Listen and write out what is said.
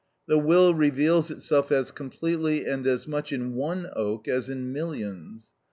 The will reveals itself as completely and as much in one oak as in millions.